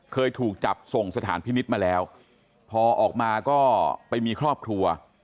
เคยถูกจับส่งสถานพินิษฐ์มาแล้วพอออกมาก็ไปมีครอบครัว